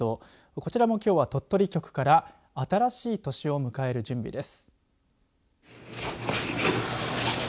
こちらも、きょうは鳥取局から新しい年を迎える準備です。